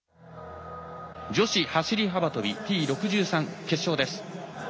女子走り幅跳びＴ６３決勝です。